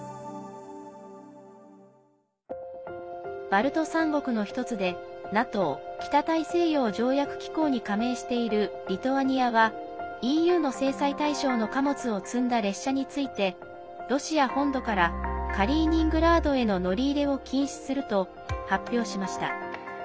バルト３国の１つでＮＡＴＯ＝北大西洋条約機構に加盟しているリトアニアはＥＵの制裁対象の貨物を積んだ列車についてロシア本土からカリーニングラードへの乗り入れを禁止すると発表しました。